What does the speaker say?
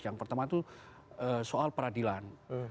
yang pertama itu soal peradilan